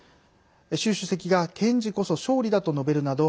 習主席が堅持こそ勝利だと述べるなど